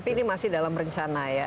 tapi ini masih dalam rencana ya